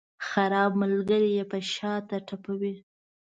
خراب ملګري یې په شاته ټپوي.